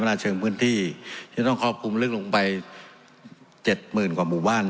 พัฒนาเชิงพื้นที่ที่ต้องคอบคุมลึกลงไปเจ็ดหมื่นกว่าหมู่บ้าน